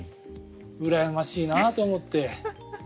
うらやましいなと思って。